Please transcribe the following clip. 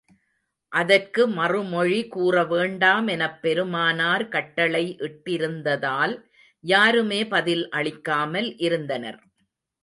அதற்கு மறுமொழி கூற வேண்டாம் எனப் பெருமானார் கட்டளை இட்டிருந்ததால், யாருமே பதில் அளிக்காமல் இருந்தனர்.